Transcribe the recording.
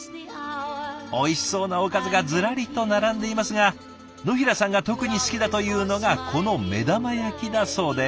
おいしそうなおかずがズラリと並んでいますが野平さんが特に好きだというのがこの目玉焼きだそうで。